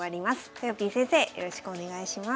とよぴー先生よろしくお願いします。